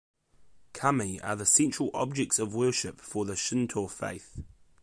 Kami are the central objects of worship for the Shinto faith.